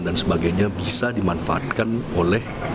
dan sebagainya bisa dimanfaatkan oleh